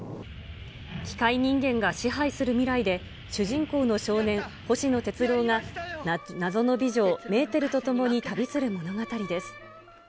機械人間が支配する未来で、主人公の少年、星野鉄郎が謎の美女、メーテルと共に旅する物語です。